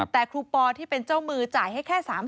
แต่ครูปอที่เป็นเจ้ามือจ่ายให้แค่๓๐๐